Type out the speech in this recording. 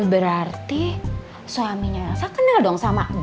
berarti suaminya elsa kenal dong sama elsa